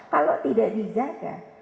kalau tidak dijaga